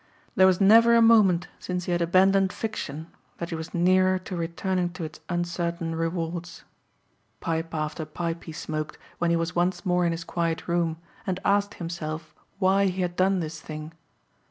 There was never a moment since he had abandoned fiction that he was nearer to returning to its uncertain rewards. Pipe after pipe he smoked when he was once more in his quiet room and asked himself why he had done this thing.